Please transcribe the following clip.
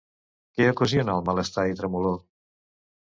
Què ocasiona el malestar i tremolor?